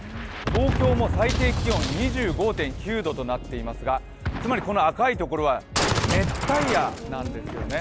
東京も最低気温２５．９度となっていますがつまりこの赤いところは熱帯夜なんですよね。